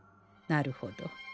なるほど。